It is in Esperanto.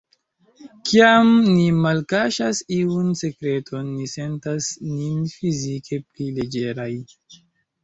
Kiam ni malkaŝas iun sekreton, ni sentas nin fizike pli leĝeraj.